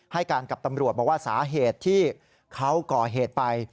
ให้การกับตำรวจบอกว่าสาเหตุที่เขาก่อเหตุไป